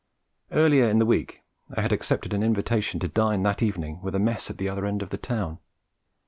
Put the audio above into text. Earlier in the week I had accepted an invitation to dine that evening with a mess at the other end of the town.